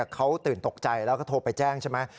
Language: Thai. เขาตื่นตกใจแล้วก็โทรไปแจ้งใช่ไหม